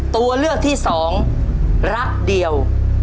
ตัวเลือกที่สองรักเดียว